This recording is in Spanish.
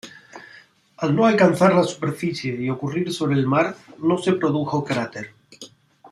Al no alcanzar la superficie y ocurrir sobre el mar, no se produjo cráter.